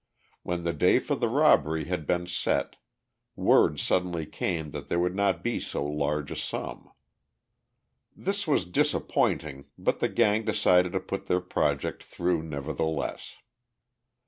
When the day for the robbery had been set, word suddenly came that there would not be so large a sum. This was disappointing, but the gang decided to put their project through, nevertheless.